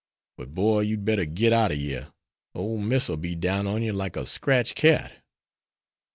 But, boy, you'd better git out er yere. Ole Miss'll be down on yer like a scratch cat."